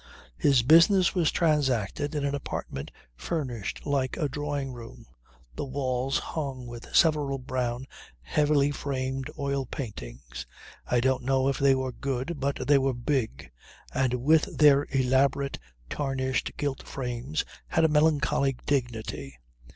His business was transacted in an apartment furnished like a drawing room, the walls hung with several brown, heavily framed, oil paintings. I don't know if they were good, but they were big, and with their elaborate, tarnished gilt frames had a melancholy dignity.